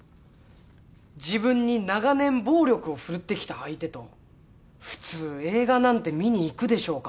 自分に長年暴力を振るってきた相手と普通映画なんて見に行くでしょうか？